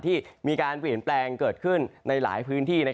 ที่มีการเปลี่ยนแปลงเกิดขึ้นในหลายพื้นที่